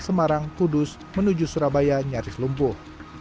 semarang kudus menuju surabaya nyaris lumpuh